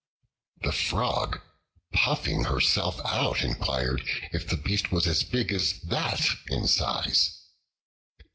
The Frog, puffing herself out, inquired, "if the beast was as big as that in size."